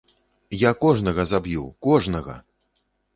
Я кожнага заб'ю, кожнага!